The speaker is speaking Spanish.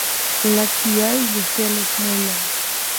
La actividad industrial es nula.